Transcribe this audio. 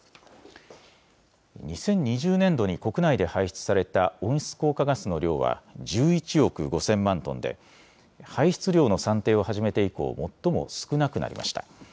２０２０年度に国内で排出された温室効果ガスの量は１１億５０００万トンで排出量の算定を始めて以降、最も少なくなりました。